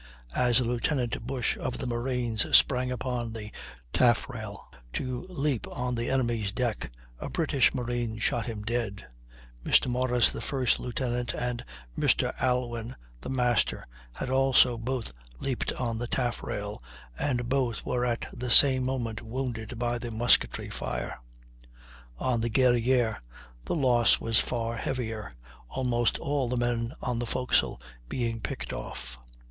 As Lieutenant Bush, of the marines, sprang upon the taffrail to leap on the enemy's decks, a British marine shot him dead; Mr. Morris, the first Lieutenant, and Mr. Alwyn, the master, had also both leaped on the taffrail, and both were at the same moment wounded by the musketry fire. On the Guerrière the loss was far heavier, almost all the men on the forecastle being picked off.